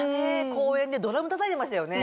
公園でドラムたたいてましたよね。